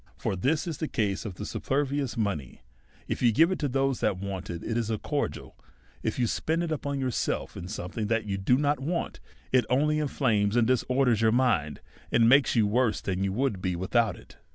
For this is the case with superfluous mo ney ; if you give it to those that want it^ it is a cor dial; if you spend it upon yourself in something that you do not want, it only inflames and disorders your mind, and makes you worse than you would be with out it.